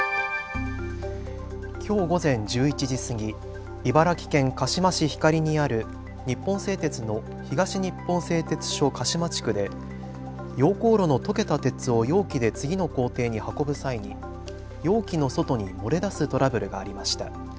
きょう午前１１時過ぎ、茨城県鹿嶋市光にある日本製鉄の東日本製鉄所鹿島地区で溶鉱炉の溶けた鉄を容器で次の工程に運ぶ際に容器の外に漏れ出すトラブルがありました。